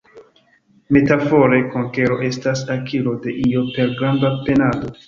Metafore konkero estas akiro de io per granda penado.